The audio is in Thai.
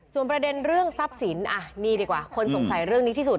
ส่วนประเด็นเรื่องทรัพย์สินนี่ดีกว่าคนสงสัยเรื่องนี้ที่สุด